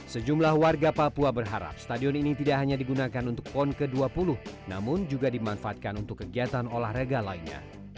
sejumlah warga papua berharap stadion ini tidak hanya digunakan untuk pon ke dua puluh namun juga dimanfaatkan untuk kegiatan olahraga lainnya